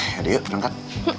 yaudah yuk langkah